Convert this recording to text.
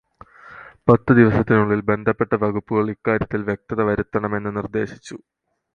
പത്തു ദിവസത്തിനുള്ളില് ബന്ധപ്പെട്ട വകുപ്പുകള് ഇക്കാര്യത്തില് വ്യക്തത വരുത്തണമെന്ന് നിര്ദേശിച്ചു.